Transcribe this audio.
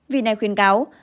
vì này khuyên cáo